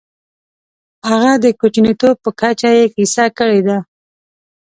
همغه د کوچنیتوب په کچه یې کیسه کړې ده.